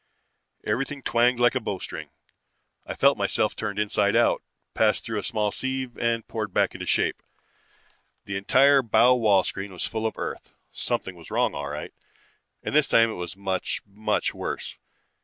"Everything twanged like a bowstring. I felt myself turned inside out, passed through a small sieve, and poured back into shape. The entire bow wall screen was full of Earth. Something was wrong all right, and this time it was much, much worse.